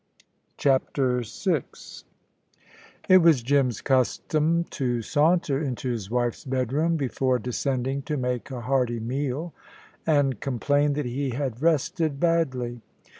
CHAPTER VI It was Jim's custom to saunter into his wife's bedroom, before descending to make a hearty meal, and complain that he had rested badly.